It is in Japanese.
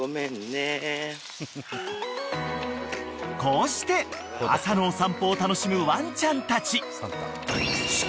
［こうして朝の散歩を楽しむワンちゃんたち］